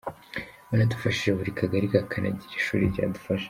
Banadufashije buri kagari kakagira ishuri byadufasha.